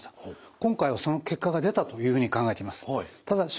今回はその結果が出たというふうに考えています。